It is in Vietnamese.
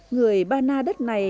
người ba na đất này